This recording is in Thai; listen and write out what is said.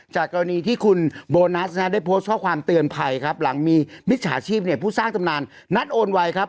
จากกรณีที่คุณโบนัสได้โพสต์ข้อความเตือนภัยครับหลังมีมิจฉาชีพเนี่ยผู้สร้างตำนานนัดโอนไวครับ